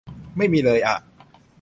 ไม่มีเลยอ๊ะ